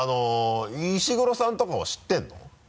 石黒さんとかは知ってるの？